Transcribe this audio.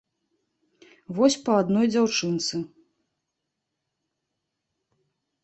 Вось па адной дзяўчынцы.